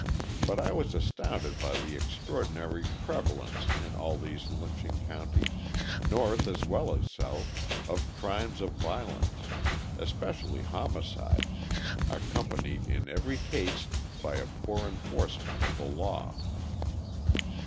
But I was astounded by the extraordinary prevalence in all these lynching counties, North as well as South, of crimes of violence, especially homicide, accompanied in every case by a poor enforcement of the law.